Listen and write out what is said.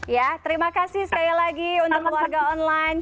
ya terima kasih sekali lagi untuk warga online